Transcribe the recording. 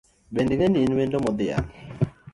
Bende ing’eni in wendo modhial